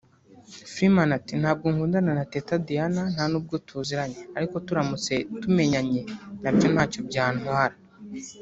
Freeman ati “Ntabwo nkundana na Teta Diana nta nubwo tuziranye ariko turamutse tumenyanye nabyo ntacyo byantwara